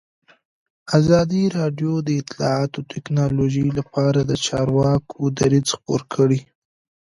ازادي راډیو د اطلاعاتی تکنالوژي لپاره د چارواکو دریځ خپور کړی.